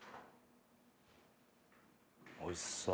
おいしそう。